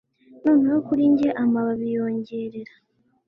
Noneho kuri njye amababi yongorera